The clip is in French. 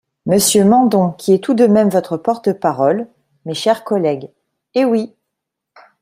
Monsieur Mandon qui est tout de même votre porte-parole, mes chers collègues, Eh oui